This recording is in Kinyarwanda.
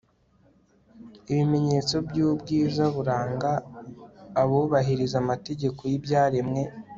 ibimenyetso by'ubwiza buranga abubahiriza amategeko y'ibyaremwe